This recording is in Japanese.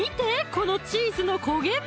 このチーズの焦げ目！